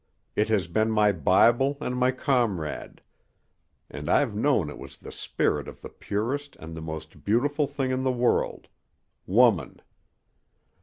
It has been my Bible an' my comrade, an' I've known it was the spirit of the purest and the most beautiful thing in the world woman.